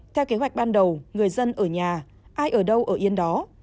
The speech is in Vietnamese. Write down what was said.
theo kế hoạch ban đầu người dân ở nhà ai ở đâu ở yên đó